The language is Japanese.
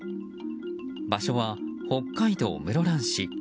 場所は北海道室蘭市。